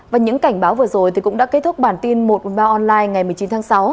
và những cảnh báo vừa rồi thì cũng đã kết thúc bản tin một màu online ngày một mươi chín tháng sáu